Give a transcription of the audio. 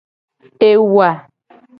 Ewa.